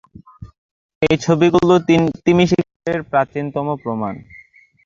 এই ছবিগুলো তিমি শিকারের প্রাচীনতম প্রমাণ।